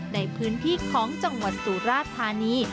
ในพื้นที่ของจังหวัดสุราธานี